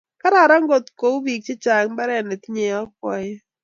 Kararan ngotkou bik chechang mbaret netinyei yakwaiyet